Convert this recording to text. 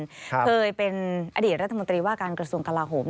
เคยเป็นอดีตรัฐมนตรีว่าการกระทรวงกลาโหม